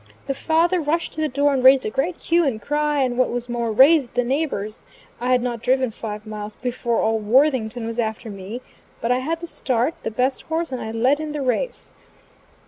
The father rushed to the door and raised a great hue and cry, and what was more, raised the neighbors; I had not driven five miles before all Worthington was after me. But I had the start, the best horse, and I led in the race.